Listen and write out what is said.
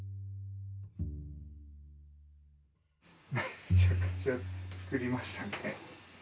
めちゃくちゃつくりましたね。